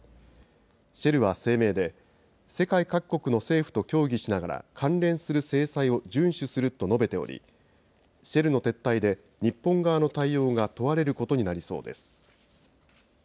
シェルは声明で、世界各国の政府と協議しながら、関連する制裁を順守すると述べており、シェルの撤退で、日本側の対応が問われることになりそうです。